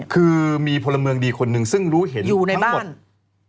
คือมีพลเมิงดีคนหนึ่งซึ่งรู้เห็นทั้งหมดอยู่ในบ้าน